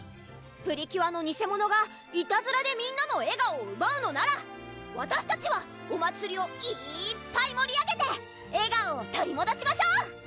プリキュアの偽者がいたずらでみんなの笑顔をうばうのならわたしたちはお祭りをいっぱいもり上げて笑顔を取りもどしましょう！